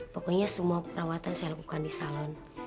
pokoknya semua perawatan saya lakukan di salon